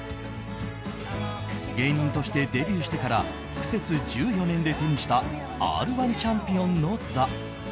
芸人としてデビューしてから苦節１４年で手にした「Ｒ‐１」チャンピオンの座。